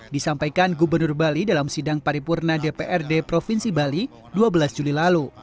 disampaikan gubernur bali dalam sidang paripurna dprd provinsi bali dua belas juli lalu